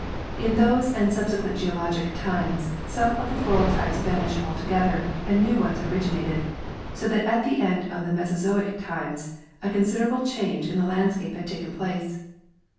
In those and subsequent geologic times some of the floral types vanished altogether and new ones originated, so that at the end of Mesozoic times a considerable change in the landscape had taken place.